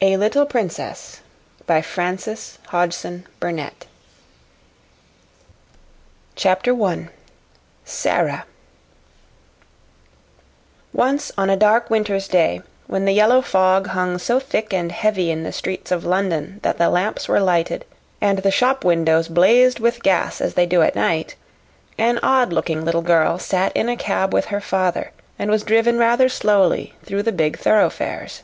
"It Is the Child" 18. "I Tried Not to Be" 19. Anne A Little Princess 1 Sara Once on a dark winter's day, when the yellow fog hung so thick and heavy in the streets of London that the lamps were lighted and the shop windows blazed with gas as they do at night, an odd looking little girl sat in a cab with her father and was driven rather slowly through the big thoroughfares.